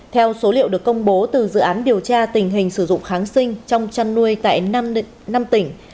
theo số liệu được công bố từ dự án điều tra tình hình sử dụng kháng sinh trong chăn nuôi tại năm tỉnh